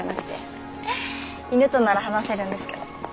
犬となら話せるんですけど。